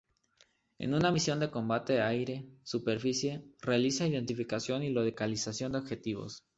En una misión de combate aire-superficie, realiza identificación y localización de objetivos.